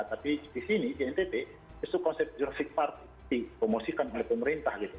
tapi di sini di ntt itu konsep jurassic park dipromosikan oleh pemerintah